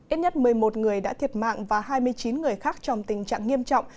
ít nhất một mươi một người đã thiệt mạng và hai mươi chín người khác trong tình trạng nghiêm trọng